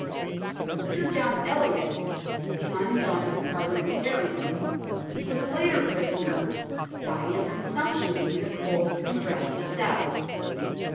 Sir John Eliot, the undaunted Parliamen tarian, was a later prisoner, dying of con sumption in a cold and draughty cell.